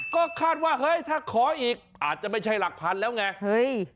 ก็คาดว่าเฮ้ยถ้าขออีกอาจจะไม่ใช่หลักพันแล้วไงเฮ้ย